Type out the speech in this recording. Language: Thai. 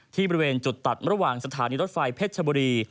บริเวณจุดตัดระหว่างสถานีรถไฟเพชรชบุรี